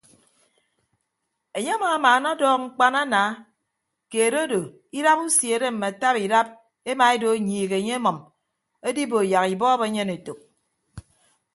Enye amamaana ọdọọk mkpana ana keed odo idap usiere mme ataba idap emaedo nyiik enye emʌm edibo yak ibọọb enyen etәk.